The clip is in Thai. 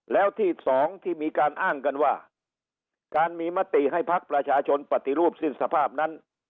แล้วที่สองที่มีการอ้างกันว่าการมีมติให้พักประชาชนปฏิรูปสิ้นสภาพนั้น